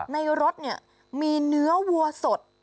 ในรถเนี่ยมีเนื้อวัวสด